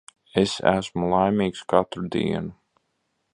Es esmu laimīgs katru dienu.